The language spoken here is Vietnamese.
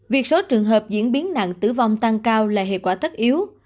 việc số trường hợp diễn biến nặng tử vong tăng cao là hệ quả tất yếu